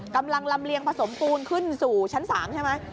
กำลังลำเลียงผสมปูนขึ้นสู่ชั้น๓ใช่ไหม